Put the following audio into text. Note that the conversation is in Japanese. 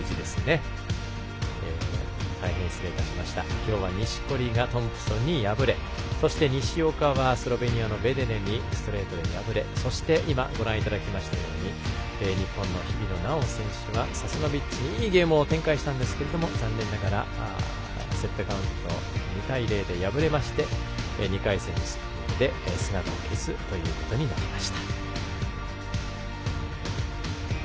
きょうは錦織がトンプソンに敗れそして、西岡はスロベニアのベデネにストレートで敗れそして、日本の日比野菜緒選手はサスノビッチにいいゲームを展開したんですけども残念ながらセットカウント２−０で敗れまして２回戦で姿を消すということになりました。